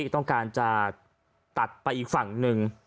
ต้องการจะตัดไปอีกฝั่งหนึ่ง